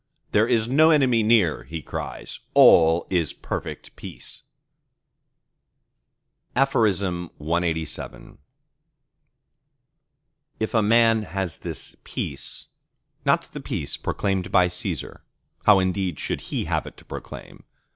"There is no enemy near," he cries, "all is perfect peace!" CLXXXVIII If a man has this peace—not the peace proclaimed by Cæsar (how indeed should he have it to proclaim?)